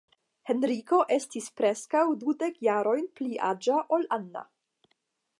Henriko estis preskaŭ dudek jarojn pli aĝa ol Anna.